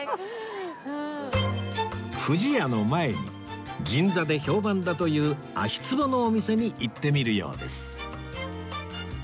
不二家の前に銀座で評判だという足ツボのお店に行ってみるようです